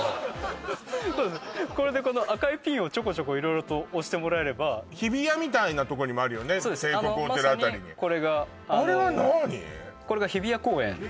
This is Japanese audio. これでこの赤いピンをちょこちょこ色々と押してもらえれば日比谷みたいなとこにもあるよね帝国ホテル辺りにあれはなあに？